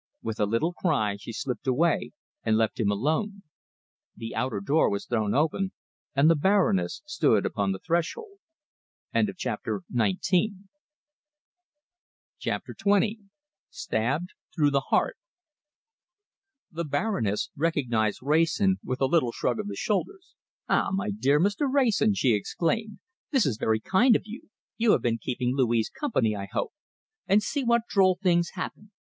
With a little cry she slipped away and left him alone. The outer door was thrown open, and the Baroness stood upon the threshold. CHAPTER XX STABBED THROUGH THE HEART The Baroness recognized Wrayson with a little shrug of the shoulders. "Ah! my dear Mr. Wrayson," she exclaimed, "this is very kind of you. You have been keeping Louise company, I hope. And see what droll things happen!